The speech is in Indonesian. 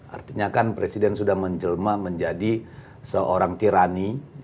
artinya kan presiden sudah menjelma menjadi seorang tirani